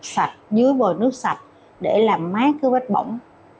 sạch dưới bồi nước sạch để làm máy cứu vết bỏng